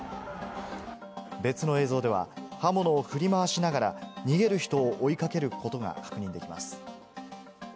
別の映像では、刃物を振り回しながら逃げる人を追いかける男が確認できます。